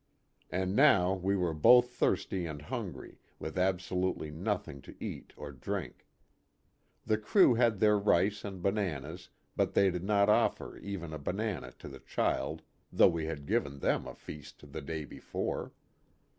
And now we were both thirsty and hungry, with absolutely nothing to eat or drink. The crew had their rice and bananas but they did not offer even a banana to the child though we had given them a feast the day before.